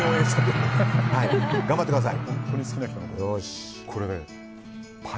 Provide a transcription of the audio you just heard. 頑張ってください！